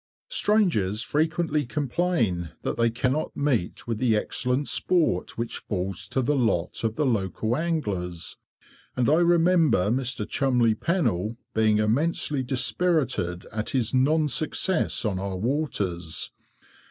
Strangers frequently complain that they cannot meet with the excellent sport which falls to the lot of the local anglers, and I remember Mr. Cholmondeley Pennel being immensely dispirited at his non success on our waters.